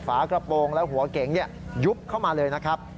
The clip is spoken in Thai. ฝากระโปรงและหัวเก๋งยุบเข้ามาเลยนะครับ